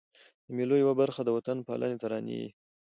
د مېلو یوه برخه د وطن پالني ترانې يي.